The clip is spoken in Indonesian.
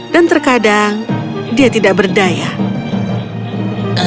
dan terkadang dia tidak berdaya